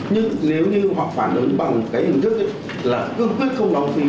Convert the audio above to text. nhưng nếu như họ phản ứng bằng cái hình thức là cương quyết không đóng phí